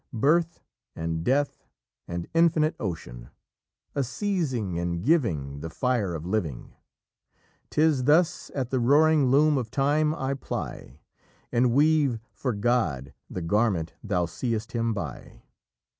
Birth and Death, An infinite ocean; A seizing and giving The fire of Living; 'Tis thus at the roaring loom of Time I ply, And weave for God the Garment thou seest Him by."